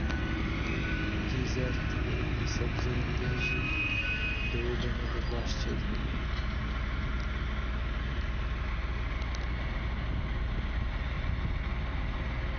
Gîzer, tivir û hin sebzeyên din jî di wê demê de baş çêdibin.